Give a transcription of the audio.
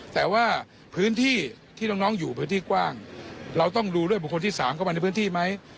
แต่ว่าพื้นที่ที่น้องอยู่พื้นที่กว้างเราต้องดูด้วยบุคคลที่๓เข้ามาในพื้นที่ไหม